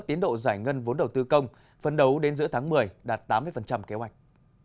tiến độ giải ngân vốn đầu tư công phân đấu đến giữa tháng một mươi đạt tám mươi kế hoạch